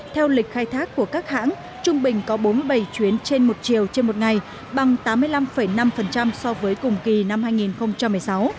theo lịch khai thác của các hãng trung bình có bốn mươi bảy chuyến trên một chiều trên một ngày bằng tám mươi năm năm so với cùng kỳ năm hai nghìn một mươi sáu